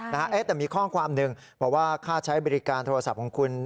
แต่มีข้อความหนึ่งบอกว่าค่าใช้บริการโทรศัพท์ของคุณ